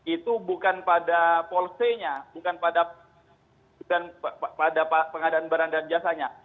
itu bukan pada policy nya bukan pada pengadaan barang dan jasanya